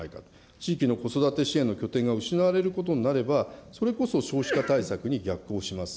地域の子育て支援の拠点が失われることになればそれこそ少子化対策に逆行します。